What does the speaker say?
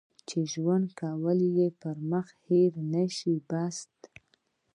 چې ژوند کول یې پر مخ هېر کړي او بس.